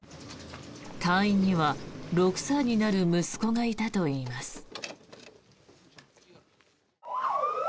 隊員には、６歳になる息子がいたといいます。